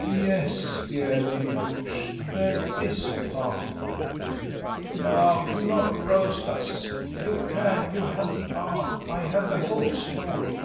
"Yes, dear Lady Busshe, there is a particle." "Now, do not roast us. You can; you have the art. I have the whole story.